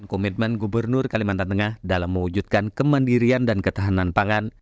komitmen gubernur kalimantan tengah dalam mewujudkan kemandirian dan ketahanan pangan